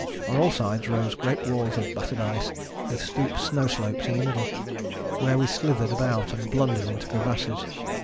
On all sides rose great walls of battered ice with steep snow slopes in the middle, where we slithered about and blundered into crevasses.